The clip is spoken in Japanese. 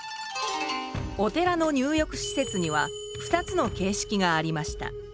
お寺の入浴施設には二つの形式がありました。